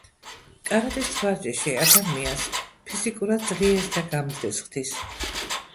კარატეს ვარჯიში ადამიანს ფიზიკურად ძლიერს და გამძლეს ხდის.